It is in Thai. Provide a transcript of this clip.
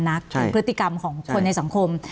พฤติกรรมของคนในสังคม